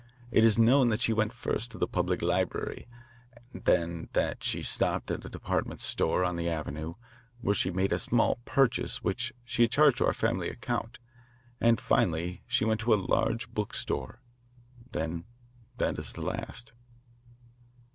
It is known that she went first to the public library, then that she stopped at a department store on the avenue, where she made a small purchase which she had charged to our family account, and finally that she went to a large book store. Then that is the last."